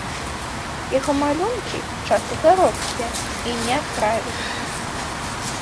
Яго малюнкі часта таропкія і няправільныя.